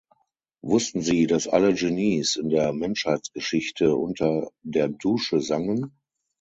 Wussten Sie, dass alle Genies in der Menschheitsgeschichte unter der Dusche sangen?